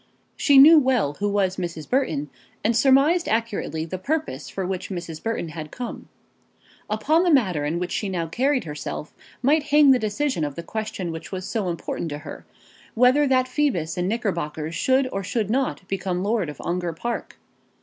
She knew well who was Mrs. Burton, and surmised accurately the purpose for which Mrs. Burton had come. Upon the manner in which she now carried herself might hang the decision of the question which was so important to her, whether that Phoebus in knickerbockers should or should not become lord of Ongar Park.